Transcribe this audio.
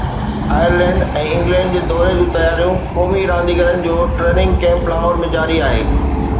Ireland ۽ England جي دوري جون تياريون، قومي رانديگرن جو ٽريننگ ڪيمپ لاهور ۾ جاري آهي